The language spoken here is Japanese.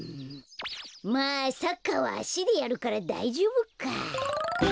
まあサッカーはあしでやるからだいじょうぶか。